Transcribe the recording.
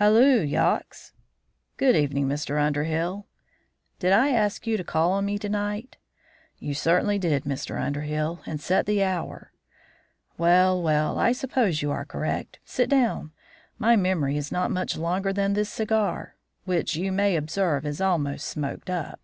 "Halloo, Yox!" "Good evening, Mr. Underhill." "Did I ask you to call on me to night?" "You certainly did, Mr. Underhill, and set the hour." "Well, well, I suppose you are correct. Sit down. My memory is not much longer than this cigar, which you may observe is almost smoked up.